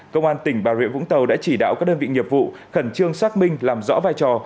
công an tỉnh bà rịa vũng tàu đã chỉ đạo các đơn vị nghiệp vụ khẩn trương xác minh làm rõ vai trò